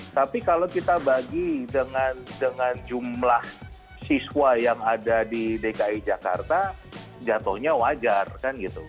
tapi kalau kita bagi dengan jumlah siswa yang ada di dki jakarta jatuhnya wajar kan gitu